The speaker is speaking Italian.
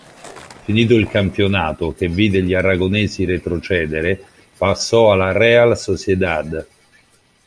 Finito il campionato, che vide gli aragonesi retrocedere, passò alla Real Sociedad.